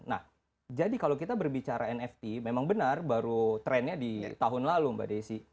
nah jadi kalau kita berbicara nft memang benar baru trennya di tahun lalu mbak desi